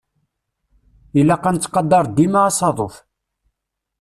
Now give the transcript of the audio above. Ilaq ad nettqadar dima asaḍuf.